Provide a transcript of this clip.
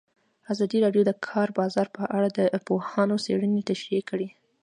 ازادي راډیو د د کار بازار په اړه د پوهانو څېړنې تشریح کړې.